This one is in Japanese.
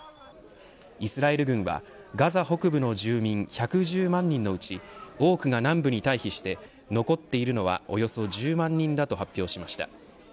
イスラエル軍はガザ北部の住民１１０万人のうち多くが南部に退避して残っているのは、およそ１０万人だと発表しました。